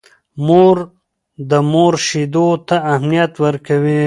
مور د مور شیدو ته اهمیت ورکوي.